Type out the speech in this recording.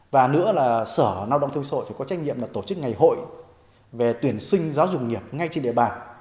và nữa là sở lao động thương sội phải có trách nhiệm là tổ chức ngày hội về tuyển sinh giáo dục nghiệp ngay trên địa bàn